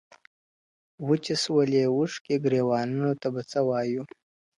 وچې سولې اوښکي ګرېوانونو ته به څه وایو.